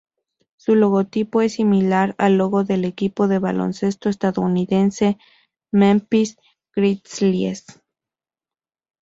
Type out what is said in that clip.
Su logotipo es similar al logo del equipo de baloncesto estadounidense Memphis Grizzlies.